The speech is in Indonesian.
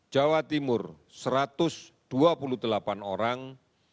jawa timur satu ratus dua puluh delapan orang